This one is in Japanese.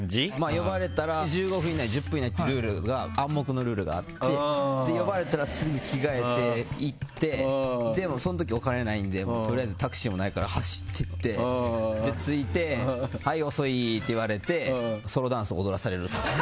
呼ばれたら１５分以内１０分以内っていう暗黙のルールがあって呼ばれたらすぐ着替えて行ってその時、お金もないのでタクシーもないから走って行って着いてはい遅いとか言われてソロダンスを踊らされるとか。